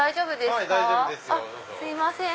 すいません。